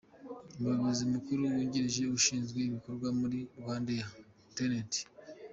Umuyobozi Mukuru wungirije ushinzwe Ibikorwa muri RwandAir, Lt.